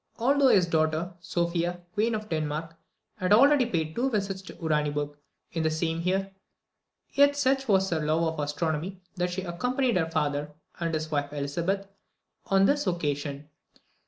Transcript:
Although his daughter, Sophia, Queen of Denmark, had already paid two visits to Uraniburg in the same year, yet such was her love of astronomy, that she accompanied her father and his wife Elizabeth on this occasion.